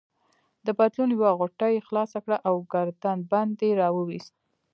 د پتلون یوه غوټه يې خلاصه کړه او ګردن بند يې راوایست.